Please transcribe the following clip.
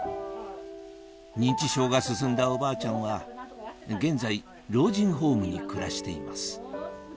認知症が進んだおばあちゃんは現在老人ホームに暮らしています